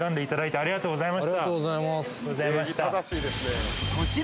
ありがとうございます。